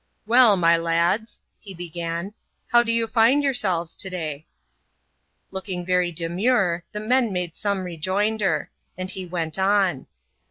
" Well, my lads," he began, " how do you find yourselves, to day ?" Looking very demure, the men made some rejoinder ; and he went on.